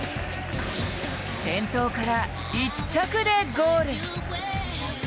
転倒から１着でゴール。